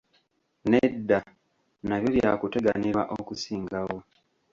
Nedda, nabyo byakuteganirwa okusingawo.